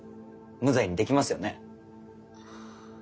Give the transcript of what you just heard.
無罪にできますよね？